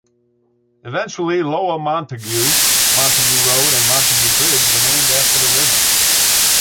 Eventually Lower Montague, Montague Road and Montague Bridge were named after the river.